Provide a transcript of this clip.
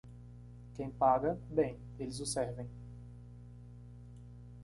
Quem paga, bem, eles o servem.